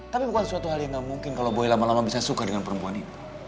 tapi bukan suatu hal yang gak mungkin kalau boy lama lama bisa suka dengan perempuan itu